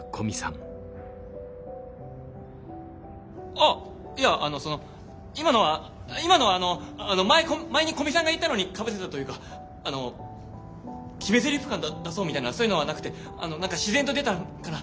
あっいやあのその今のは今のはあの前前に古見さんが言ったのにかぶせたというかあの決めゼリフ感だ出そうみたいなそういうのはなくて何か自然と出たから。